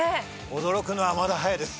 驚くのはまだ早いです。